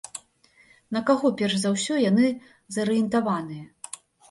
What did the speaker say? На каго перш за ўсё яны зарыентаваныя?